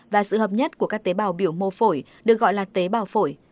và sự hợp nhất của các tế bào biểu mô phổi được gọi là tế bào phổi